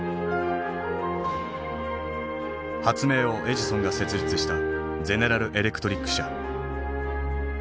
発明王エジソンが設立したゼネラル・エレクトリック社。